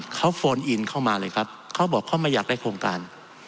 เขาโฟนอินเข้ามาเลยครับเขาบอกเขาไม่อยากได้โครงการ